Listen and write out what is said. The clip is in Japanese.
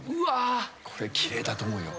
これ、きれいだと思うよ。